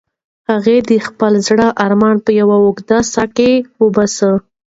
هغې د خپل زړه ارمان په یوې اوږدې ساه کې وباسه.